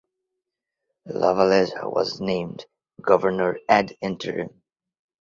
Lavalleja was named governor "ad interim".